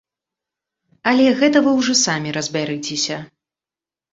Але гэта вы ўжо самі разбярыцеся.